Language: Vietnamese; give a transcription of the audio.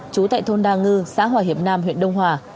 trú tại thôn đa ngư xã hòa hiệp nam huyện đông hòa